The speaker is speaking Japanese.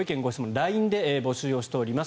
ＬＩＮＥで募集をしております。